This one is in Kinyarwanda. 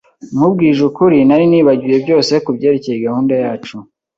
Nkubwije ukuri, nari nibagiwe byose kubyerekeye gahunda yacu.